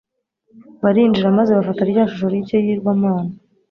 barinjira maze bafata rya shusho ry'ikigirwamana